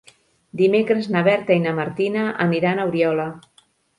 Dimecres na Berta i na Martina aniran a Oriola.